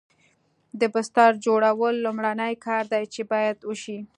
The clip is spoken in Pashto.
د بستر جوړول لومړنی کار دی چې باید وشي